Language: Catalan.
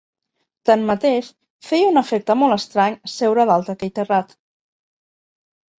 Tanmateix, feia un efecte molt estrany, seure dalt aquell terrat.